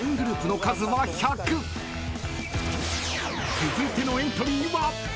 ［続いてのエントリーは］